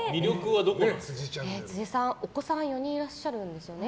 辻さん、お子さん４人いらっしゃるんですよね。